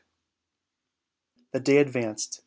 The day advanced.